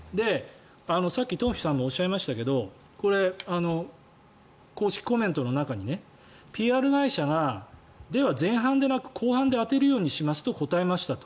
さっき東輝さんもおっしゃいましたけど公式コメントの中にＰＲ会社がでは、前半ではなく後半で当てるようにしますと答えましたと。